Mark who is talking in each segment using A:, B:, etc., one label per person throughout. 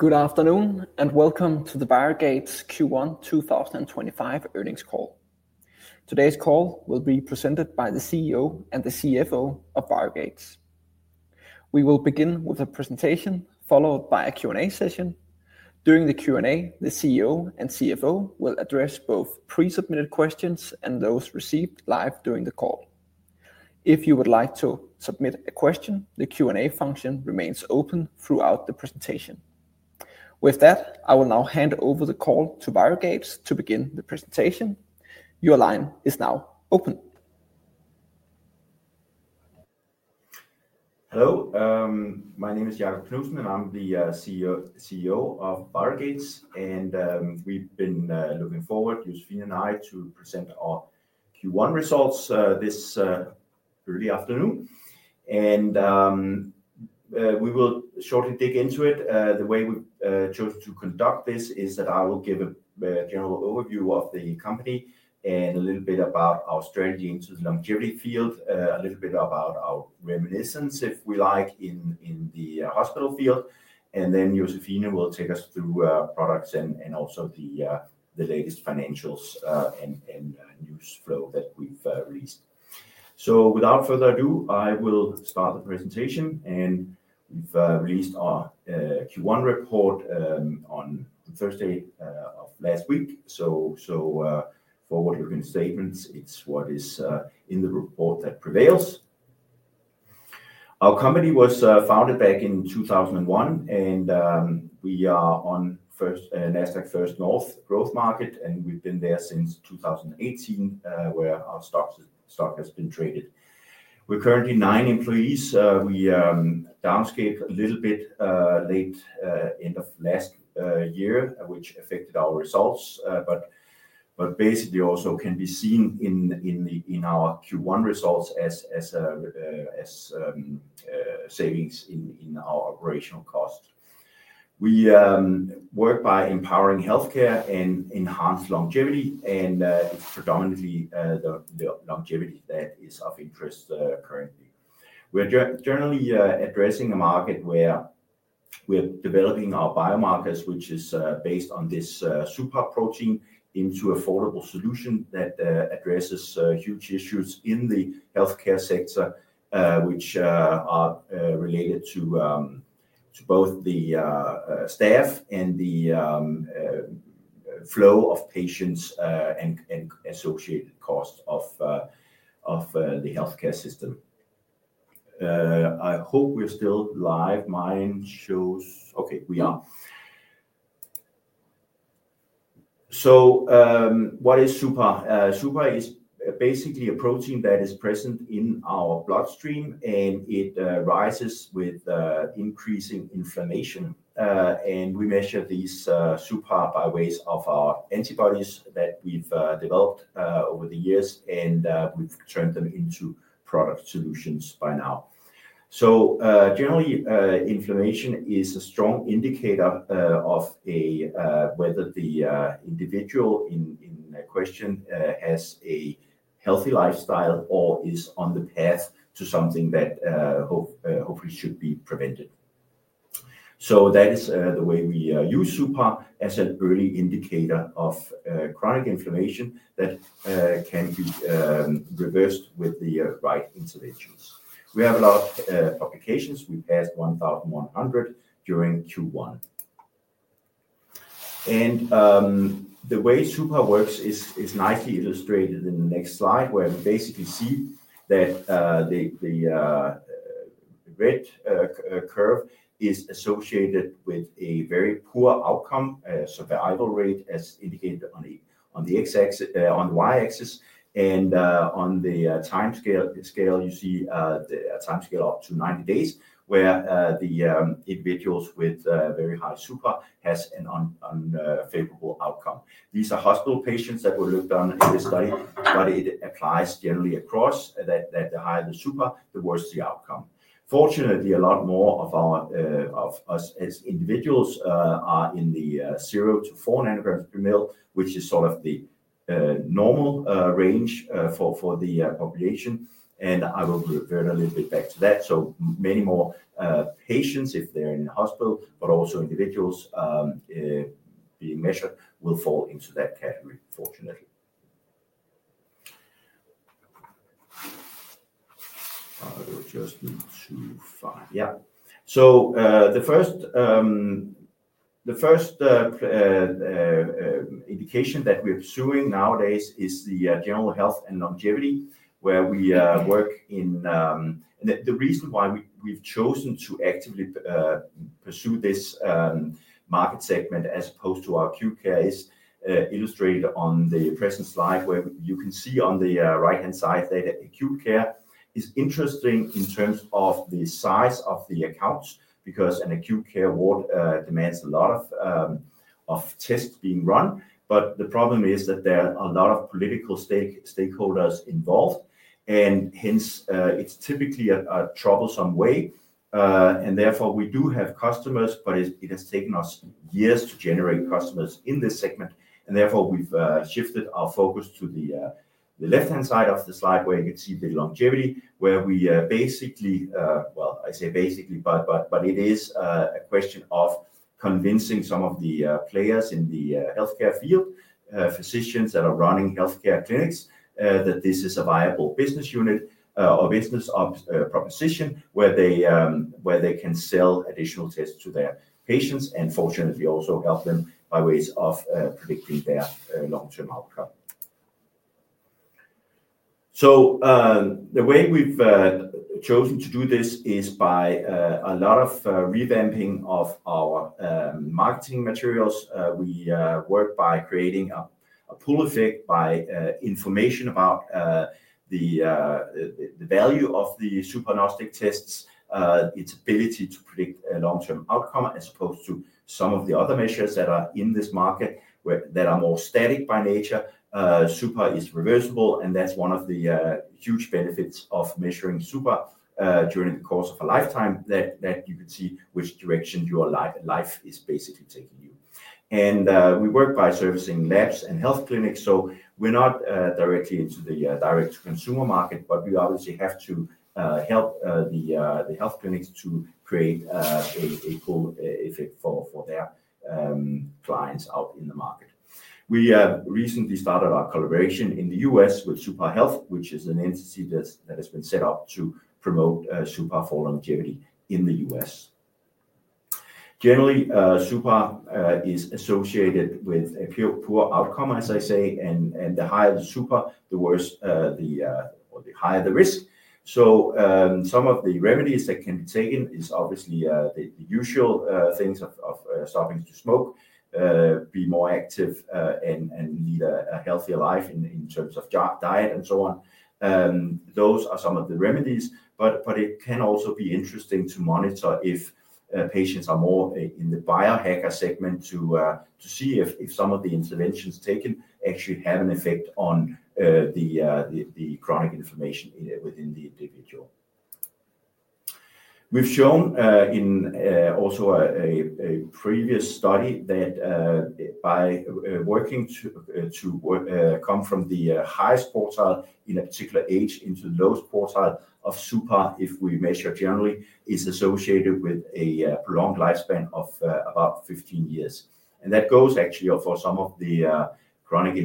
A: Good afternoon, and welcome to the ViroGates Q1 2025 Earnings Call. Today's call will be presented by the CEO and the CFO of ViroGates. We will begin with a presentation, followed by a Q&A session. During the Q&A, the CEO and CFO will address both pre-submitted questions and those received live during the call. If you would like to submit a question, the Q&A function remains open throughout the presentation. With that, I will now hand over the call to ViroGates to begin the presentation. Your line is now open.
B: Hello, my name is Jakob Knudsen, and I'm the CEO of ViroGates. We have been looking forward, Josephine and I, to present our Q1 results this early afternoon. We will shortly dig into it. The way we chose to conduct this is that I will give a general overview of the company and a little bit about our strategy into the longevity field, a little bit about our reminiscence, if we like, in the hospital field. Josephine will take us through products and also the latest financials and news flow that we have released. Without further ado, I will start the presentation. We have released our Q1 report on Thursday of last week. Forward-looking statements, it is what is in the report that prevails. Our company was founded back in 2001, and we are on Nasdaq First North Growth Market. We have been there since 2018, where our stock has been traded. We are currently nine employees. We downscaled a little bit late at the end of last year, which affected our results. Basically, it also can be seen in our Q1 results as savings in our operational costs. We work by empowering healthcare and enhanced longevity. It is predominantly the longevity that is of interest currently. We are generally addressing a market where we are developing our biomarkers, which is based on this suPAR protein, into an affordable solution that addresses huge issues in the healthcare sector, which are related to both the staff and the flow of patients and associated costs of the healthcare system. I hope we are still live. Mine shows okay, we are. What is suPAR? suPAR is basically a protein that is present in our bloodstream, and it rises with increasing inflammation. We measure these suPAR by ways of our antibodies that we've developed over the years, and we've turned them into product solutions by now. Generally, inflammation is a strong indicator of whether the individual in question has a healthy lifestyle or is on the path to something that hopefully should be prevented. That is the way we use suPAR as an early indicator of chronic inflammation that can be reversed with the right interventions. We have a lot of publications. We passed 1,100 during Q1. The way suPAR works is nicely illustrated in the next slide, where we basically see that the red curve is associated with a very poor outcome survival rate, as indicated on the Y-axis. On the time scale, you see a time scale up to 90 days, where the individuals with very high suPAR have an unfavorable outcome. These are hospital patients that were looked at in this study, but it applies generally across that the higher the suPAR, the worse the outcome. Fortunately, a lot more of us as individuals are in the 0-4 nanograms per ml, which is sort of the normal range for the population. I will revert a little bit back to that. Many more patients, if they're in a hospital, but also individuals being measured, will fall into that category, fortunately. I will just need to find, yeah. The first indication that we're pursuing nowadays is the general health and longevity, where we work in. The reason why we've chosen to actively pursue this market segment as opposed to our acute care is illustrated on the present slide, where you can see on the right-hand side that acute care is interesting in terms of the size of the accounts, because an acute care ward demands a lot of tests being run. The problem is that there are a lot of political stakeholders involved, and hence it's typically a troublesome way. Therefore, we do have customers, but it has taken us years to generate customers in this segment. Therefore, we've shifted our focus to the left-hand side of the slide, where you can see the longevity, where we basically, I say basically, but it is a question of convincing some of the players in the healthcare field, physicians that are running healthcare clinics, that this is a viable business unit or business proposition where they can sell additional tests to their patients and, fortunately, also help them by ways of predicting their long-term outcome. The way we've chosen to do this is by a lot of revamping of our marketing materials. We work by creating a pull effect by information about the value of the suPARnostic tests, its ability to predict a long-term outcome as opposed to some of the other measures that are in this market that are more static by nature. suPAR is reversible, and that's one of the huge benefits of measuring suPAR during the course of a lifetime that you can see which direction your life is basically taking you. We work by servicing labs and health clinics. We are not directly into the direct-to-consumer market, but we obviously have to help the health clinics to create a pull effect for their clients out in the market. We recently started our collaboration in the U.S. with suPAR Health, which is an entity that has been set up to promote suPAR for longevity in the US. Generally, suPAR is associated with a poor outcome, as I say, and the higher the suPAR, the worse or the higher the risk. Some of the remedies that can be taken is obviously the usual things of stopping to smoke, be more active, and lead a healthier life in terms of diet and so on. Those are some of the remedies. It can also be interesting to monitor if patients are more in the biohacker segment to see if some of the interventions taken actually have an effect on the chronic inflammation within the individual. We've shown in also a previous study that by working to come from the highest portal in a particular age into the lowest portal of suPAR, if we measure generally, is associated with a prolonged lifespan of about 15 years. That goes actually for some of the chronic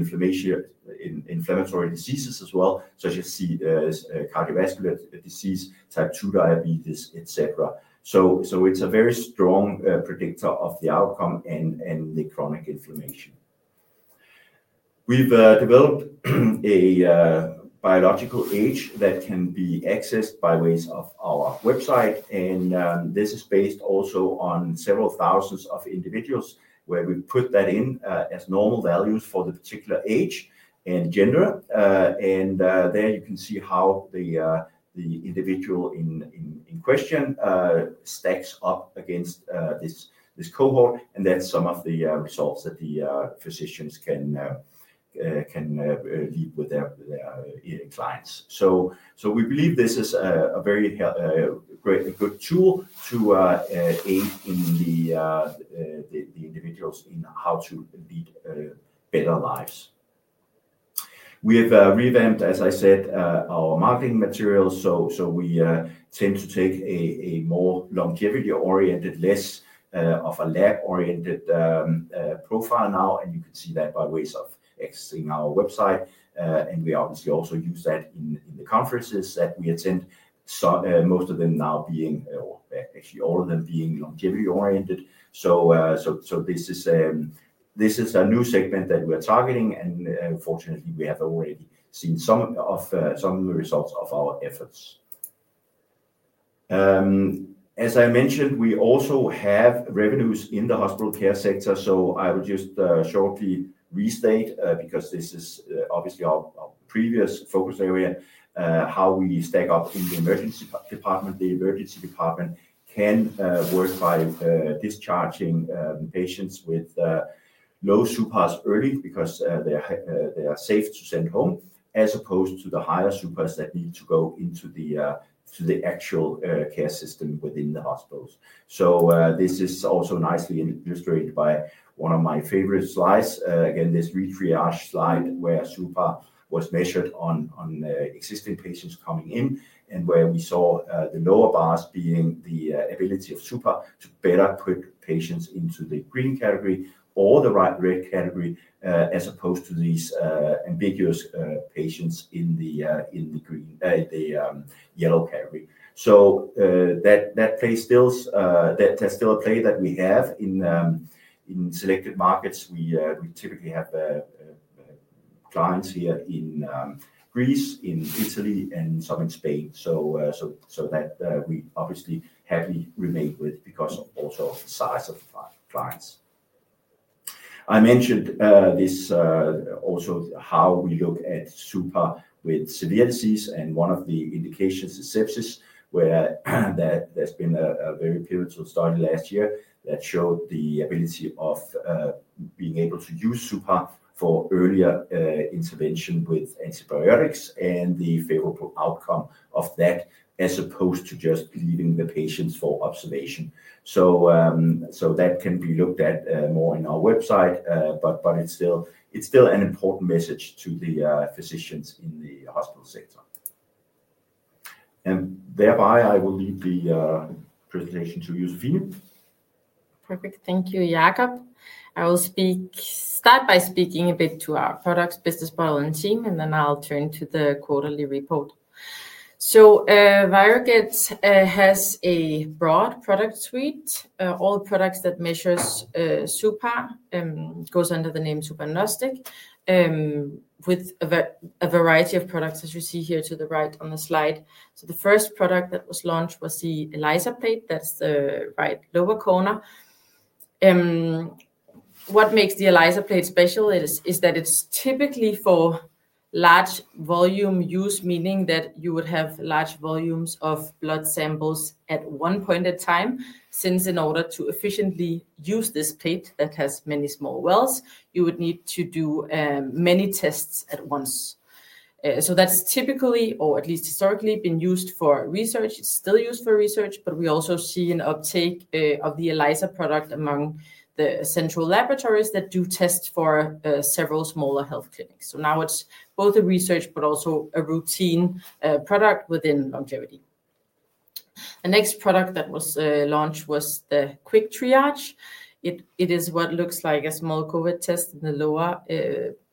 B: inflammatory diseases as well, such as cardiovascular disease, Type 2 diabetes, etc. It is a very strong predictor of the outcome and the chronic inflammation. We've developed a biological age that can be accessed by ways of our website. This is based also on several thousand individuals where we put that in as normal values for the particular age and gender. There you can see how the individual in question stacks up against this cohort. That's some of the results that the physicians can lead with their clients. We believe this is a very good tool to aid in the individuals in how to lead better lives. We have revamped, as I said, our marketing materials. We tend to take a more longevity-oriented, less of a lab-oriented profile now. You can see that by ways of accessing our website. We obviously also use that in the conferences that we attend, most of them now being or actually all of them being longevity-oriented. This is a new segment that we're targeting. Fortunately, we have already seen some results of our efforts. As I mentioned, we also have revenues in the hospital care sector. I would just shortly restate, because this is obviously our previous focus area, how we stack up in the emergency department. The emergency department can work by discharging patients with low suPARs early because they are safe to send home, as opposed to the higher suPARs that need to go into the actual care system within the hospitals. This is also nicely illustrated by one of my favorite slides. Again, this triage slide where suPAR was measured on existing patients coming in and where we saw the lower bars being the ability of suPAR to better put patients into the green category or the red category, as opposed to these ambiguous patients in the green yellow category. That plays still, that's still a play that we have in selected markets. We typically have clients here in Greece, in Italy, and some in Spain. That we obviously happily remain with because also of the size of clients. I mentioned this also, how we look at suPAR with severe disease. One of the indications is sepsis, where there's been a very pivotal study last year that showed the ability of being able to use suPAR for earlier intervention with antibiotics and the favorable outcome of that, as opposed to just leaving the patients for observation. That can be looked at more in our website. It is still an important message to the physicians in the hospital sector. I will leave the presentation to you, Josephine. Perfect.
C: Thank you, Jakob. I will start by speaking a bit to our products, business model, and team, and then I'll turn to the quarterly report. ViroGates has a broad product suite, all products that measure suPAR, goes under the name suPARnostic, with a variety of products, as you see here to the right on the slide. The first product that was launched was the ELISA plate. That is the right lower corner. What makes the ELISA plate special is that it's typically for large volume use, meaning that you would have large volumes of blood samples at one point in time, since in order to efficiently use this plate that has many small wells, you would need to do many tests at once. That is typically, or at least historically, been used for research. It's still used for research, but we also see an uptake of the ELISA product among the central laboratories that do tests for several smaller health clinics. Now it's both a research but also a routine product within longevity. The next product that was launched was the Quick Triage. It is what looks like a small COVID test in the lower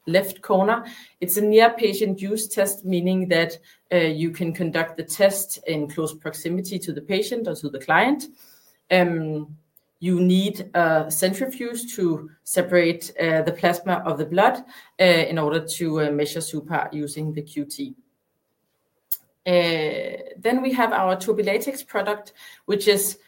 C: left corner. It's a near-patient use test, meaning that you can conduct the test in close proximity to the patient or to the client. You need a centrifuge to separate the plasma of the blood in order to measure suPAR using the QT. We have our TurbiLatex product, which is,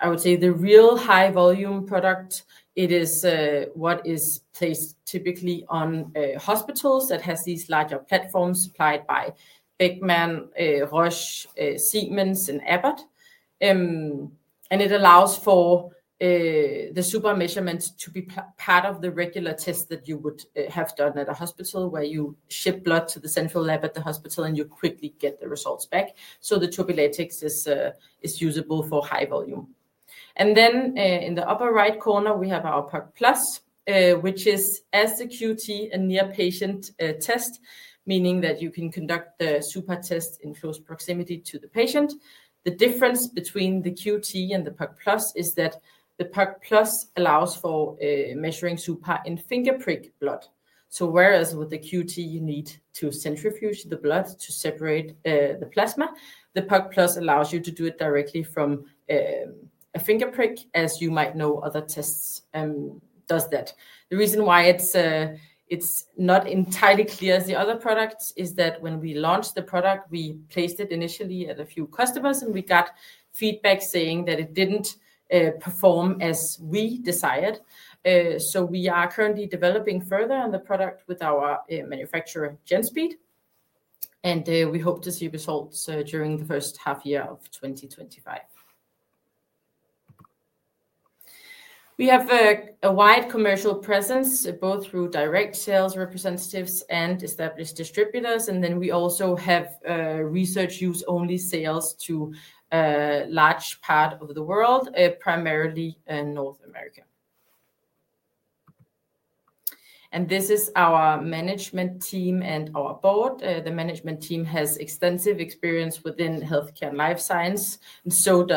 C: I would say, the real high-volume product. It is what is placed typically on hospitals that have these larger platforms supplied by Beckman, Roche, Siemens, and Abbott. It allows for the suPAR measurements to be part of the regular test that you would have done at a hospital where you ship blood to the central lab at the hospital, and you quickly get the results back. The TurbiLatex is usable for high volume. In the upper right corner, we have our POC+, which is, as the QT, a near-patient test, meaning that you can conduct the suPAR test in close proximity to the patient. The difference between the QT and the POC+ is that the POC+ allows for measuring suPAR in fingerprick blood. So whereas with the QT, you need to centrifuge the blood to separate the plasma, the POC+ allows you to do it directly from a fingerprick, as you might know other tests do that. The reason why it's not entirely clear as the other products is that when we launched the product, we placed it initially at a few customers, and we got feedback saying that it didn't perform as we desired. We are currently developing further on the product with our manufacturer, GENSPEED. We hope to see results during the first half year of 2025. We have a wide commercial presence both through direct sales representatives and established distributors. We also have research use-only sales to a large part of the world, primarily North America. This is our management team and our board. The management team has extensive experience within healthcare and life science, and so do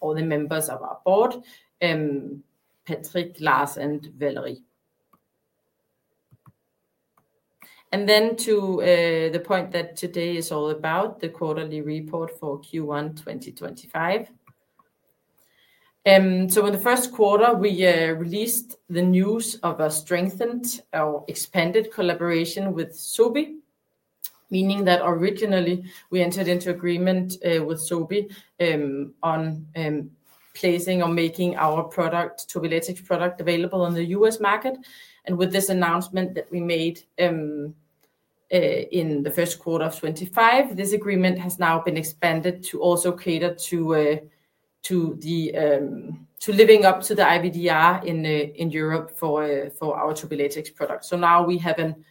C: all the members of our board, Patrick, Lars, and Valerie. To the point that today is all about, the quarterly report for Q1 2025. In the first quarter, we released the news of a strengthened or expanded collaboration with Sobi, meaning that originally we entered into agreement with Sobi on placing or making our TurbiLatex product available on the U.S. market. With this announcement that we made in the first quarter of 2025, this agreement has now been expanded to also cater to living up to the IVDR in Europe for our TurbiLatex product. Now we have an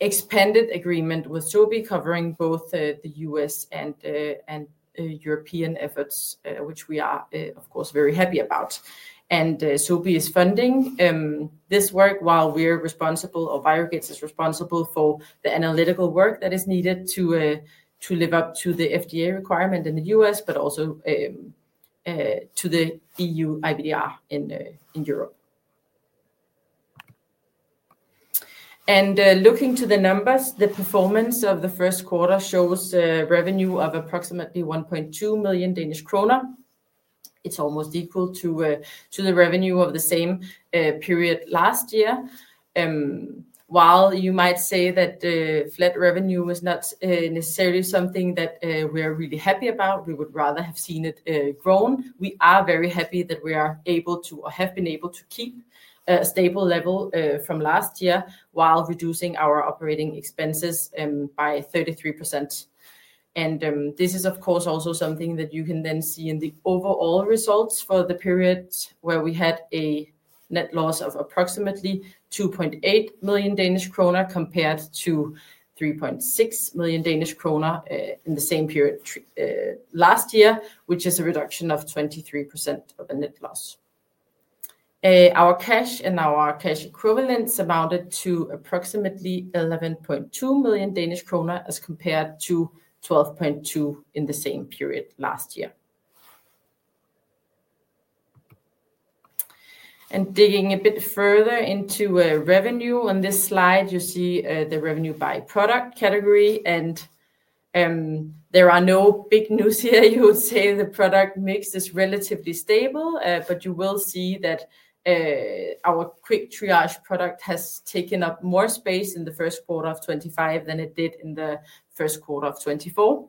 C: expanded agreement with Sobi covering both the US and European efforts, which we are, of course, very happy about. Sobi is funding this work while we are responsible, or ViroGates is responsible, for the analytical work that is needed to live up to the FDA requirement in the U.S., but also to the EU IVDR in Europe. Looking to the numbers, the performance of the first quarter shows revenue of approximately 1.2 million Danish kroner. It is almost equal to the revenue of the same period last year. While you might say that flat revenue is not necessarily something that we are really happy about, we would rather have seen it grown. We are very happy that we are able to, or have been able to, keep a stable level from last year while reducing our operating expenses by 33%. This is, of course, also something that you can then see in the overall results for the period where we had a net loss of approximately 2.8 million Danish kroner compared to 3.6 million Danish kroner in the same period last year, which is a reduction of 23% of the net loss. Our cash and our cash equivalents amounted to approximately 11.2 million Danish kroner as compared to 12.2 million in the same period last year. Digging a bit further into revenue on this slide, you see the revenue by product category. There are no big news here, you would say. The product mix is relatively stable, but you will see that our Quick Triage product has taken up more space in the first quarter of 2025 than it did in the first quarter of 2024.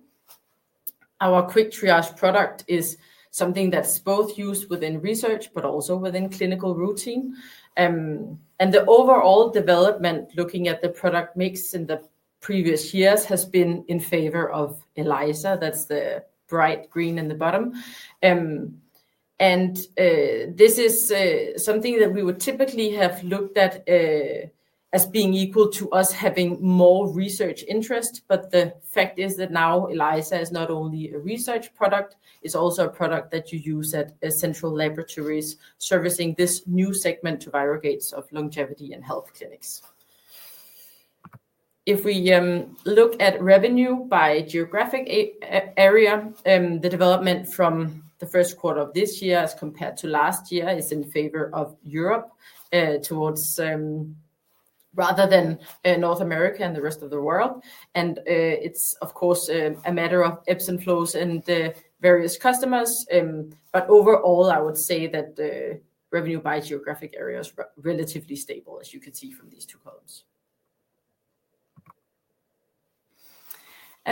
C: Our Quick Triage product is something that's both used within research but also within clinical routine. The overall development, looking at the product mix in the previous years, has been in favor of ELISA. That's the bright green in the bottom. This is something that we would typically have looked at as being equal to us having more research interest. The fact is that now ELISA is not only a research product, it's also a product that you use at central laboratories servicing this new segment to ViroGates of longevity and health clinics. If we look at revenue by geographic area, the development from the first quarter of this year as compared to last year is in favor of Europe rather than North America and the rest of the world. It's, of course, a matter of ebbs and flows and various customers. Overall, I would say that revenue by geographic area is relatively stable, as you can see from these two columns.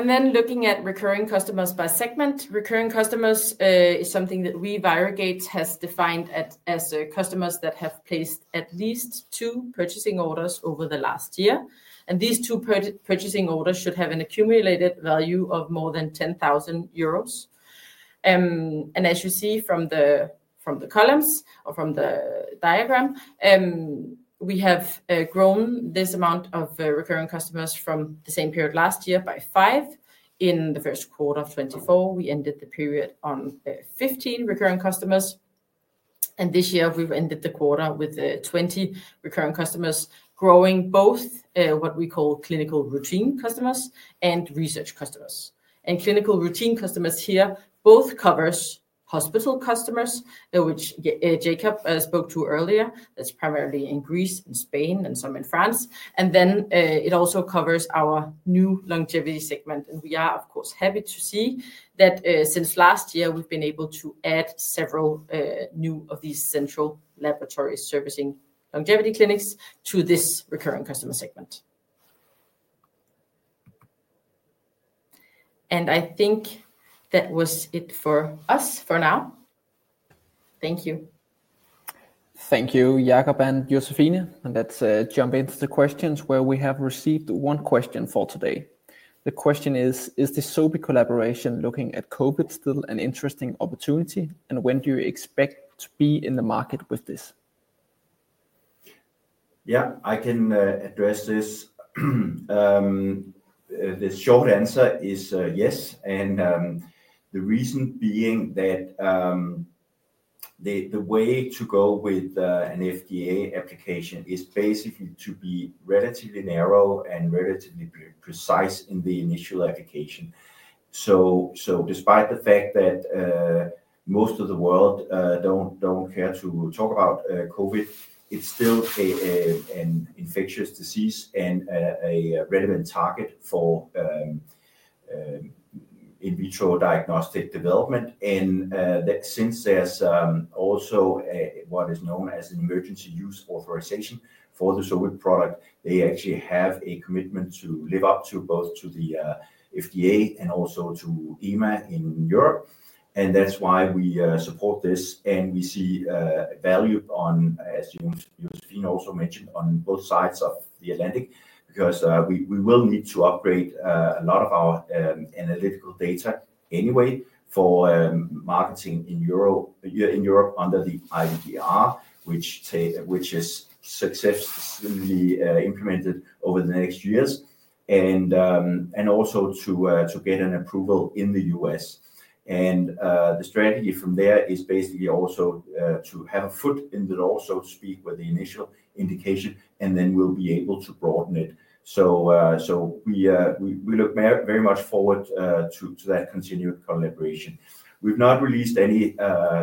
C: Looking at recurring customers by segment, recurring customers is something that we at ViroGates have defined as customers that have placed at least two purchasing orders over the last year. These two purchasing orders should have an accumulated value of more than 10,000 euros. As you see from the columns or from the diagram, we have grown this amount of recurring customers from the same period last year by five. In the first quarter of 2024, we ended the period on 15 recurring customers. This year, we have ended the quarter with 20 recurring customers, growing both what we call clinical routine customers and research customers. Clinical routine customers here both covers hospital customers, which Jakob spoke to earlier. That's primarily in Greece and Spain and some in France. It also covers our new longevity segment. We are, of course, happy to see that since last year, we've been able to add several new of these central laboratories servicing longevity clinics to this recurring customer segment. I think that was it for us for now. Thank you.
A: Thank you, Jakob and Josephine. Let's jump into the questions where we have received one question for today. The question is, is the Sobi collaboration looking at COVID still an interesting opportunity? When do you expect to be in the market with this?
B: Yeah, I can address this. The short answer is yes. The reason being that the way to go with an FDA application is basically to be relatively narrow and relatively precise in the initial application. Despite the fact that most of the world do not care to talk about COVID, it is still an infectious disease and a relevant target for in vitro diagnostic development. Since there is also what is known as an emergency use authorization for the Sobi product, they actually have a commitment to live up to both to the FDA and also to EMA in Europe. That is why we support this. We see value on, as Josephine also mentioned, both sides of the Atlantic because we will need to upgrade a lot of our analytical data anyway for marketing in Europe under the IVDR, which is successfully implemented over the next years, and also to get an approval in the US. The strategy from there is basically also to have a foot in the door, so to speak, with the initial indication, and then we'll be able to broaden it. We look very much forward to that continued collaboration. We've not released any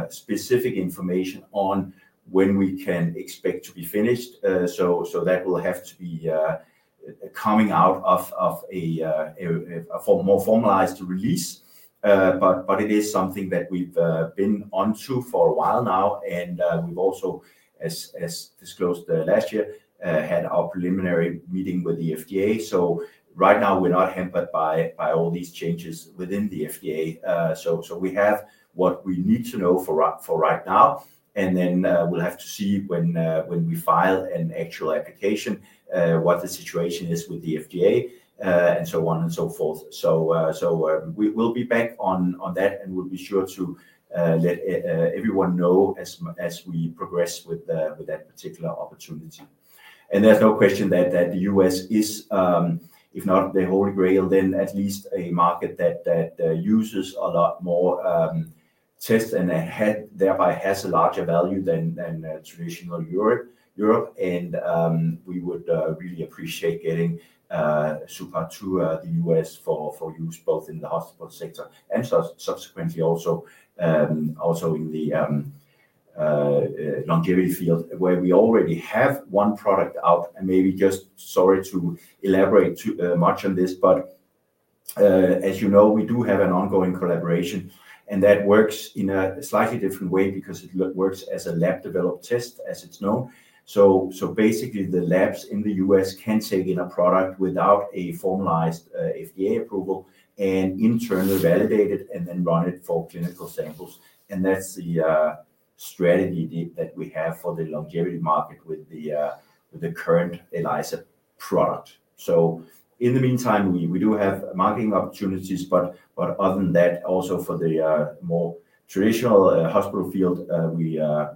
B: specific information on when we can expect to be finished. That will have to be coming out of a more formalized release. It is something that we've been on to for a while now. We've also, as disclosed last year, had our preliminary meeting with the FDA. Right now, we're not hampered by all these changes within the FDA. We have what we need to know for right now. We'll have to see when we file an actual application, what the situation is with the FDA, and so on and so forth. We will be back on that, and we will be sure to let everyone know as we progress with that particular opportunity. There is no question that the U.S. is, if not the Holy Grail, then at least a market that uses a lot more tests and thereby has a larger value than traditional Europe. We would really appreciate getting suPAR to the U.S. for use both in the hospital sector and subsequently also in the longevity field where we already have one product out. Maybe just, sorry to elaborate too much on this, but as you know, we do have an ongoing collaboration. That works in a slightly different way because it works as a lab-developed test, as it is known. Basically, the labs in the U.S. can take in a product without a formalized FDA approval and internally validate it and then run it for clinical samples. That is the strategy that we have for the longevity market with the current ELISA product. In the meantime, we do have marketing opportunities. Other than that, also for the more traditional hospital field, we are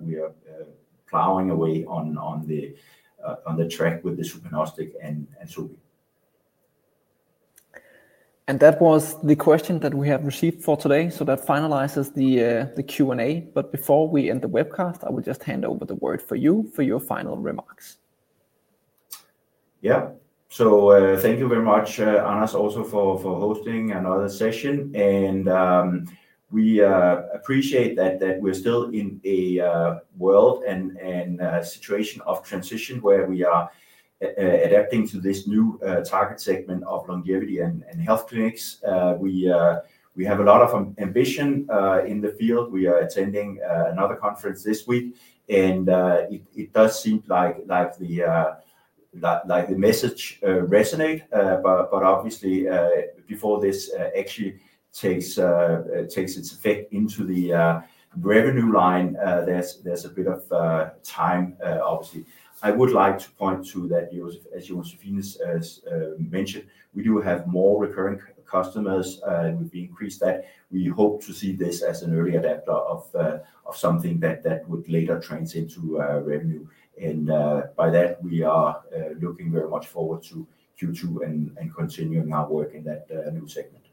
B: plowing away on the track with the suPARnostic and Sobi.
A: That was the question that we have received for today. That finalizes the Q&A. Before we end the webcast, I will just hand over the word for you for your final remarks.
B: Yeah. Thank you very much, Anas, also for hosting another session. We appreciate that we're still in a world and situation of transition where we are adapting to this new target segment of longevity and health clinics. We have a lot of ambition in the field. We are attending another conference this week. It does seem like the message resonates. Obviously, before this actually takes its effect into the revenue line, there's a bit of time, obviously. I would like to point to that, as Josephine mentioned, we do have more recurring customers. We've increased that. We hope to see this as an early adapter of something that would later translate to revenue. By that, we are looking very much forward to Q2 and continuing our work in that new segment.